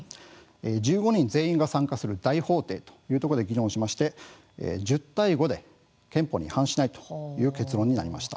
１５人全員が参加する大法廷というところで議論しまして１０対５で憲法に違反しないという結論になりました。